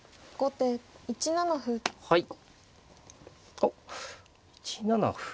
あっ１七歩